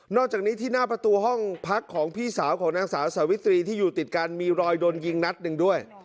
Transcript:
อกจากนี้ที่หน้าประตูห้องพักของพี่สาวของนางสาวสาวิตรีที่อยู่ติดกันมีรอยโดนยิงนัดหนึ่งด้วย